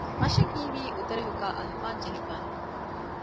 މަށަށް ހީވީ އުދަރެހުގައި އަލިފާން ޖެހިފައި ހެން